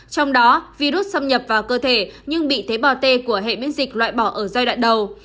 trong đó virus xâm nhập vào cơ thể nhưng bị tế bào t của hệ miễn dịch loại bỏ ở giai đoạn đầu